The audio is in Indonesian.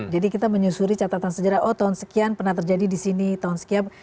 jadi kita menyusuri catatan sejarah oh tahun sekian pernah terjadi di sini tahun sekian